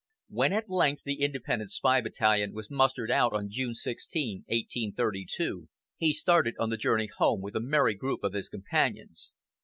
When, at length, the Independent Spy Battalion was mustered out on June 16, 1832, he started on the journey home with a merry group of his companions.